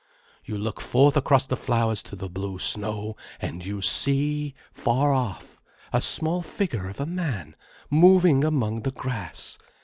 You look forth across the flowers to the blue snow, and you see, far off, a small figure of a man moving among the grass.